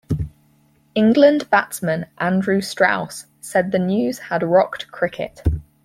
England batsman Andrew Strauss said the news had rocked cricket.